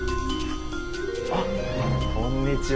あっこんにちは。